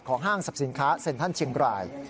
ของห้างศัพท์สินค้าเซ็นทร์ท่านเชียงราย